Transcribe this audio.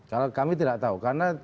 karena kami tidak tahu karena